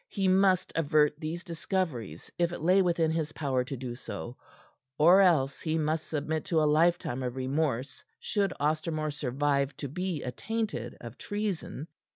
He must avert these discoveries if it lay within his power to do so, or else he must submit to a lifetime of remorse should Ostermore survive to be attainted of treason.